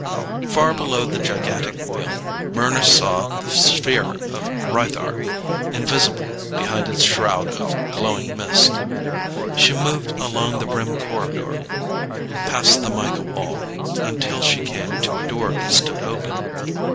Far below the gigantic wheel Mryna saw the sphere of Rythar, invisible behind its shroud of glowing mist. She moved along the rim corridor, past the mica wall, until she came to a door that stood open.